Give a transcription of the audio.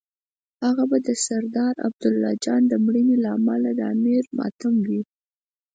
هغه به د سردار عبدالله جان د مړینې له امله د امیر ماتم وي.